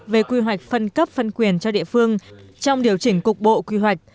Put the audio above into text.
về quy hoạch phân cấp phân quyền cho địa phương trong điều chỉnh cục bộ quy hoạch